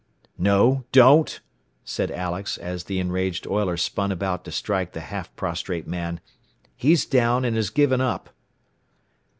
"No don't!" said Alex, as the enraged oiler spun about to strike the half prostrate man. "He's down, and has given up."